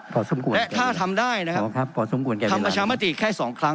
พอสมควรและถ้าทำได้นะครับพอสมควรทำประชามติแค่สองครั้ง